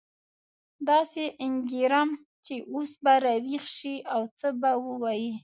داسې انګېرم چې اوس به راویښ شي او څه به ووایي.